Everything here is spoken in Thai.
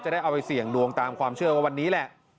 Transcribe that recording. ได้เอาไปเสี่ยงดวงตามความเชื่อว่าวันนี้แหละ